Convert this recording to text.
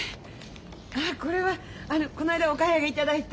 ああこれはこの間お買い上げいただいた。